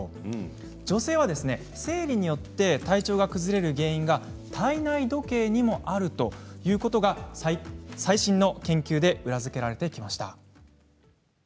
女性は生理によって体調が崩れる原因が体内時計にもあるということが最新の研究で裏付けられてきました。